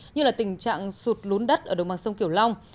như là tình trạng sụt lún đất ở đồng bằng sông kiểu long